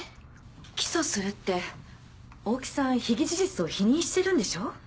起訴するって大木さん被疑事実を否認してるんでしょう？